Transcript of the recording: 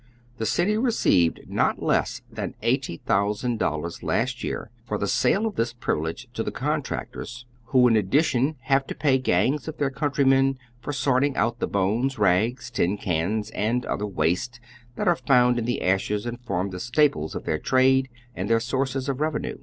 The city received not less than §80,000 last year for the sale of this privi lege to the contractors, who in addition have ti> pay gangs of their countrymen for sorting out the hones, rags, tin cans and oth'er waste that are fomid in the ashes and form the staples of their trade and their sources of i eveiiue.